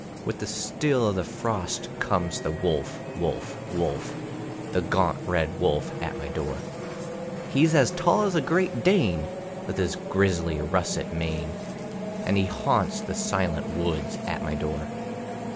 With the still of the frost comes the wolf, wolf, wolf, The gaunt red wolf at my door. He's as tall as a Great Dane, with his grizzly russet mane; And he haunts the silent woods at my door.